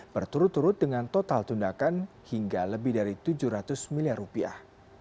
berturut turut dengan total tundakan hingga lebih dari tujuh ratus miliar rupiah